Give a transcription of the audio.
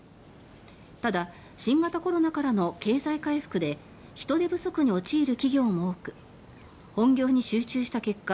ただ新型コロナからの経済回復で人手不足に陥る企業も多く本業に集中した結果